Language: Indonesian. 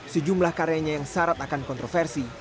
sejumlah karyanya yang syarat akan kontroversi